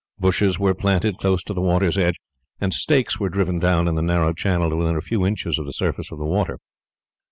Bushes were planted close to the water's edge, and stakes were driven down in the narrow channel to within a few inches of the surface of the water.